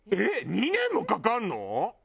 ２年もかかるの？